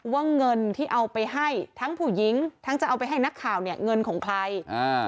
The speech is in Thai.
ว่าเงินที่เอาไปให้ทั้งผู้หญิงทั้งจะเอาไปให้นักข่าวเนี่ยเงินของใครอ่า